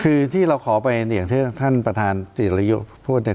คือที่เราขอไปอย่างที่ท่านประธานศิริยุพูดเนี่ย